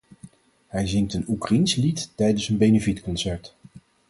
Hij zingt een Oekraïens lied tijdens een benefietconcert.